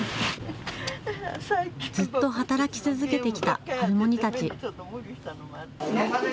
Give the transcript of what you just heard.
ずっと働き続けてきたハルモニたち。